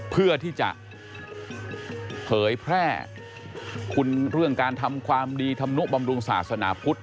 เพื่อที่จะเผยแพร่คุณเรื่องการทำความดีธรรมนุบำรุงศาสนาพุทธ